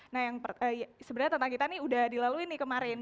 nah yang sebenarnya tentang kita ini udah dilalui nih kemarin